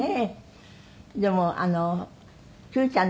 でも九ちゃん